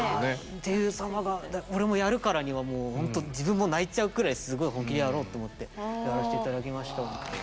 っていうその俺もやるからにはほんと自分も泣いちゃうくらいすごい本気でやろうと思ってやらして頂きました。